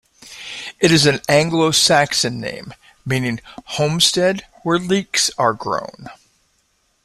It is an Anglo-Saxon name, meaning 'homestead where leeks are grown'.